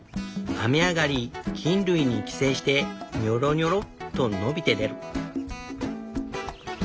雨上がり菌類に寄生してニョロニョロッと伸びて出る。